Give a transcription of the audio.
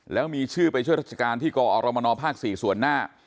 แล้วมีชื่อไปช่วยราชการที่กอรมนภ๔ส่วนหน้า